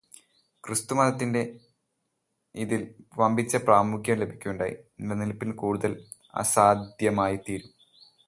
ക്രിസ്തുമതത്തിൽ ഇതിന് വമ്പിച്ച പ്രാമുഖ്യം ലഭിക്കുകയുണ്ടായി - നിലനില്പ് കൂടുതൽ അസാദ്ധ്യമായിത്തീരും